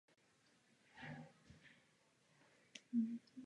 Zde bylo nutné skloubit civilní provoz mezinárodního letiště a program přehlídky.